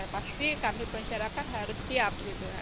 pasti kami masyarakat harus siap